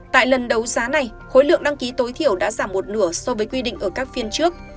tại lần đấu giá này khối lượng đăng ký tối thiểu đã giảm một nửa so với quy định ở các phiên trước